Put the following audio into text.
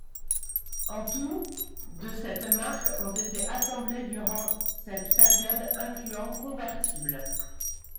En tout, de cette marque ont été assemblés durant cette période incluant convertibles.